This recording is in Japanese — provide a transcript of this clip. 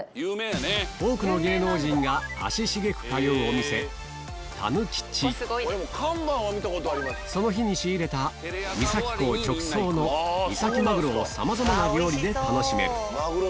多くの芸能人が足しげく通うお店その日に仕入れた三崎港直送の三崎マグロをさまざまな料理で楽しめる